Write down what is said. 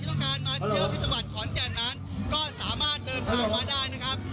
โดยไฮไลท์สำคัญนั้นก็อยู่ที่การเล่นกลื้นมนุษย์สุทธิศภาพ